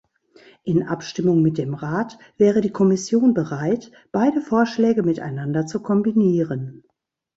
In Abstimmung mit dem Rat wäre die Kommission bereit, beide Vorschläge miteinander zu kombinieren.